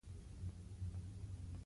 کتابچه د لیکلو مینه زیاتوي